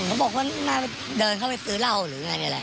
วิวเขาบอกว่าเดินเข้าไปซื้อเวลาหรืออะไรเนี่ยแหละ